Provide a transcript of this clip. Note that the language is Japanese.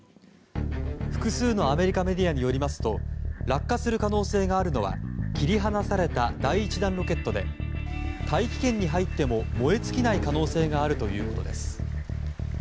複数のアメリカメディアによりますと落下する可能性があるのは切り離された第１段ロケットで大気圏に入っても燃え尽きない可能性があるということです。